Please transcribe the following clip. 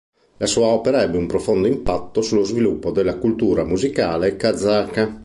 La sua opera ebbe un profondo impatto sullo sviluppo della cultura musicale kazaka.